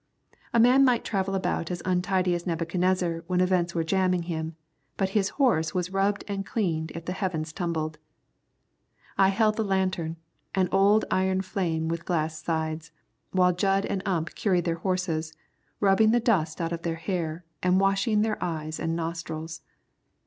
A man might travel about quite as untidy as Nebuchadnezzar when events were jamming him, but his horse was rubbed and cleaned if the heavens tumbled. I held the lantern, an old iron frame with glass sides, while Jud and Ump curried the horses, rubbing the dust out of their hair, and washing their eyes and nostrils.